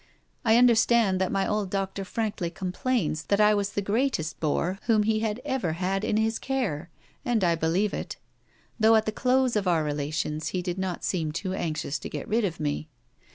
I understand that my old doctor frankly complains that I was the greatest bore whom he ever had in his care, and I believe it; though at the close of our relations he did not seem too anxious to get rid of me.